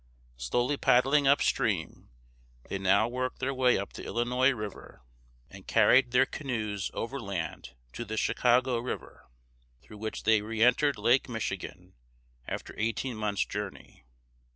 Slowly paddling upstream, they now worked their way up the Illinois River, and carried their canoes overland to the Chicago (she caw´go) River, through which they reëntered Lake Michigan, after eighteen months' journey.